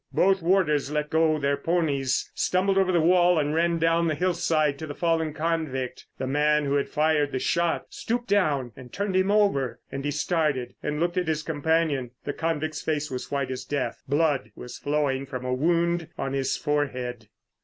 Both warders let go their ponies, stumbled over the wall and ran down the hill side to the fallen convict. The man who had fired the shot stooped down and turned him over. And he started and looked at his companion. The convict's face was white as death; blood was flowing from a wound on his forehead.